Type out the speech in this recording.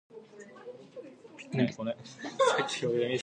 He invites his wife to join him in the dance.